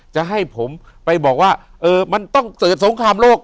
จะให้ผมไปบอกว่ามันต้องเกิดสงครามโลก